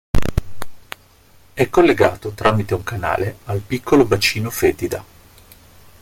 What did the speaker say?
È collegato tramite un canale al piccolo bacino Fetida.